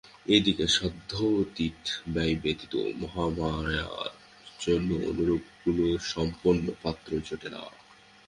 এদিকে সাধ্যাতীত ব্যয় ব্যতীত মহামায়ার জন্যও অনুরূপ কুলসম্পন্ন পাত্র জোটে না।